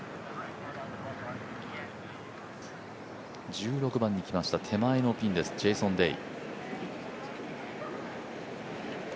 １６番に来ました、手前のピンです、ジェイソン・デイ。